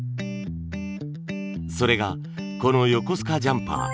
それがこの横須賀ジャンパー。